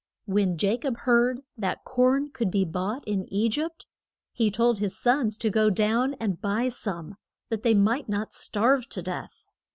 When Ja cob heard that corn could be bought in E gypt, he told his sons to go down and buy some, that they might not starve to death.